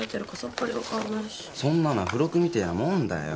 そんなのは付録みてえなもんだよ。